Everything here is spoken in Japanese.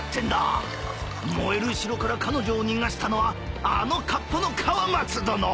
燃える城から彼女を逃がしたのはあの河童の河松殿！